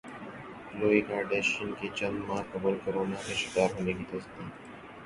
کلوئے Kardashian کی چند ماہ قبل کورونا کا شکار ہونے کی تصدیق